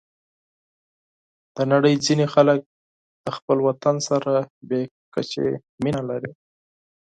د نړۍ ځینې خلک د خپل وطن سره بې کچې مینه لري.